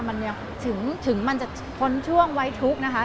มันยังถึงมันจะพ้นช่วงวัยทุกข์นะคะ